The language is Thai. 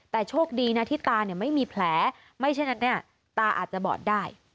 แต่โชคดีนะที่ตาไม่มีแผลไม่เช่นนั้นตาอาจจะบอดได้